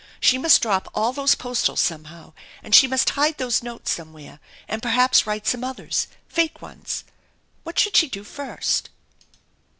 She must drop all those postals somehow, and she must hide those notes somewhere, and perhaps write some others, fake ones. What should she do first